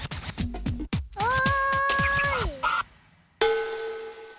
おい。